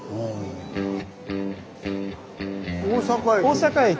大阪駅。